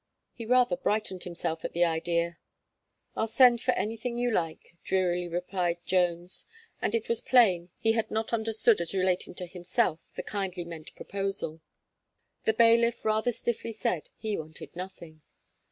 He rather brightened himself at the idea. "I'll send for anything you like," drearily replied Jones, and it was plain he had not understood as relating to himself the kindly meant proposal. The bailiff rather stiffly said, he wanted nothing.